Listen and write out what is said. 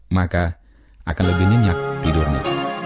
maka akan lebih nyenyak tidurnya